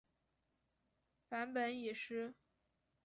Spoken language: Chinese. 梵本已失。